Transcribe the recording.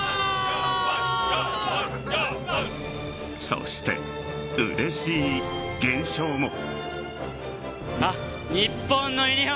そして、うれしい現象も。